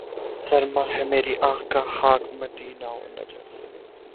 سرمہ ہے میری آنکھ کا خاک مدینہ و نجف